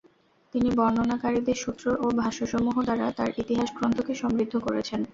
তিনি বর্ণনাকারীদের সূত্র ও ভাষ্যসমূহ দ্বারা তার ইতিহাস গ্রন্থকে সমৃদ্ধ করেছেন।